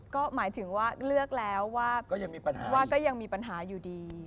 ก็หมายถึงว่าเลือกแล้วว่าก็ยังมีปัญหาอยู่ดี